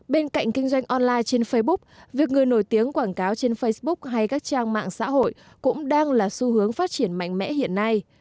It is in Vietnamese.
bên cạnh kinh doanh online trên facebook việc người nổi tiếng quảng cáo trên facebook hay các trang mạng xã hội cũng đang là xu hướng phát triển mạnh mẽ hiện nay